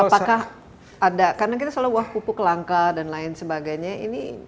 apakah ada karena kita selalu wah pupuk langka dan lain sebagainya